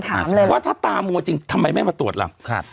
ถามว่าถ้าตามัวจริงทำไมไม่มาตรวจล่ะครับ